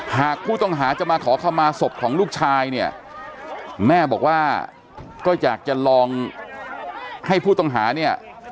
หากผู้ต้องหาจะมาขอเข้ามาศพของลูกชายเนี่ยแม่บอกว่าก็อยากจะลองให้ผู้ต้องหาเนี่ย